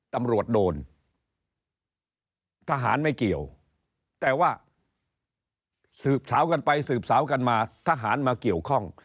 ตำรวจโดนทหารไม่เกี่ยวแต่ว่าสืบสาวกันไปสืบสาวกันมาทหารมาเกี่ยวข้อง